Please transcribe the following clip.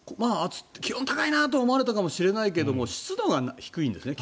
気温高いなと思われたかもしれないけど湿度が低いんですね。